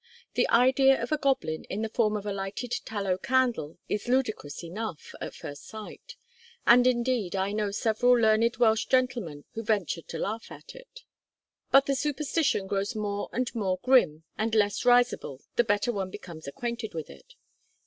The idea of a goblin in the form of a lighted tallow candle is ludicrous enough, at first sight; and indeed I know several learned Welsh gentlemen who venture to laugh at it; but the superstition grows more and more grim and less risible the better one becomes acquainted with it.